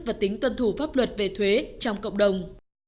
và tính tuân thủ pháp luật về thuế trong cộng đồng